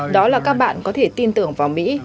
đó là các bạn có thể tin tưởng vào mỹ